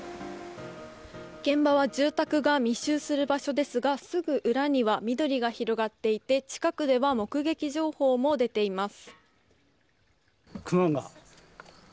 現場は住宅が密接する場所ですがすぐ裏には緑が広がっていて近くでは目撃情報も出ています。